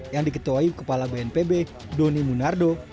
yang diketuai kepala bnpb doni munardo